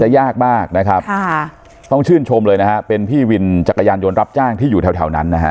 ยากมากนะครับค่ะต้องชื่นชมเลยนะฮะเป็นพี่วินจักรยานยนต์รับจ้างที่อยู่แถวแถวนั้นนะฮะ